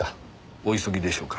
お急ぎでしょうか？